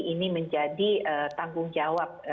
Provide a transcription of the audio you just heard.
ini menjadi tanggung jawab